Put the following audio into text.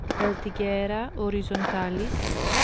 Peltigera horizontal is, (L.)